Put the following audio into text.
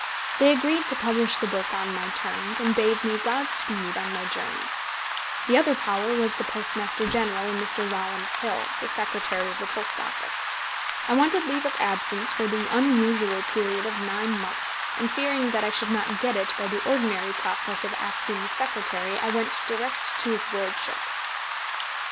They agreed to publish the book on my terms, and bade me God speed on my journey. The other power was the Postmaster General and Mr. Rowland Hill, the Secretary of the Post Office. I wanted leave of absence for the unusual period of nine months, and fearing that I should not get it by the ordinary process of asking the Secretary, I went direct to his lordship.